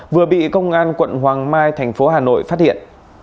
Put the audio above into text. vừa bị công an quận hoàng mai thành phố hà nội phát hiện